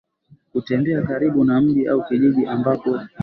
kutembea karibu na mji au kijiji ambako